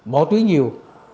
bỏ túi nhiều